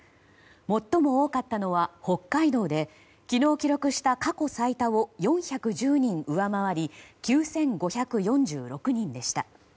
最も多かったのは北海道で昨日記録した過去最多を４１０人上回り９５４６人でした。